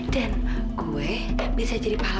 dan gue bisa jadi pahlawan